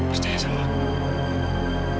percaya sama aku